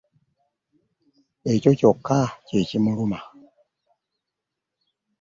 Ekyo kyokka kye kimuluma.